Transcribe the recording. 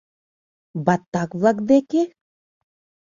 — Баттак-влак деке?